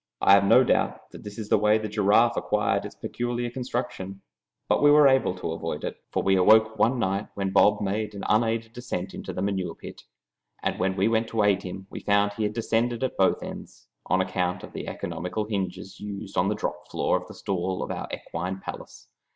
I have no doubt this is the way the giraffe acquired its peculiar construction, but we were able to avoid it, for we awoke one night when Bob made an unaided descent into the manure pit, and when we went to aid him we found he had descended at both ends, on account of the economical hinges used on the drop floor of the stall of our equine palace.